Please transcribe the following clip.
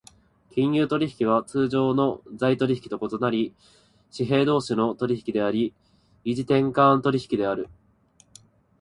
金融取引は通常の財取引と異なり、貨幣同士の取引であり、異時点間取引である。